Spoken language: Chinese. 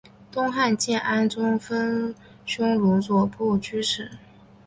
东汉建安中分匈奴左部居此。